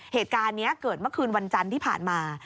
เหตุการณ์นี้เกิดเมื่อคืนวันจันทร์ที่ผ่านมา